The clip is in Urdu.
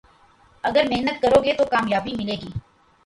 اگر محنت کرو گے تو کامیابی ملے گی